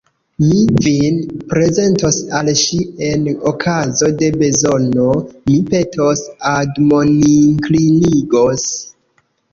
Mi vin prezentos al ŝi, en okazo de bezono mi petos, admoninklinigos.